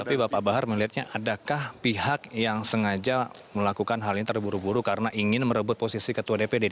tapi bapak bahar melihatnya adakah pihak yang sengaja melakukan hal ini terburu buru karena ingin merebut posisi ketua dpd